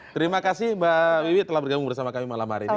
terima kasih mbak wiwi telah bergabung bersama kami malam hari ini